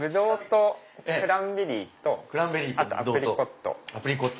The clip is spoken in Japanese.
ブドウとクランベリーとアプリコット。